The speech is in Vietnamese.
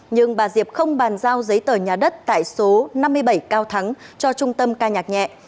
nhưng bà diệp không bàn giao giấy tờ nhà đất tại số năm mươi bảy cao thắng cho trung tâm ca nhạc nhẹ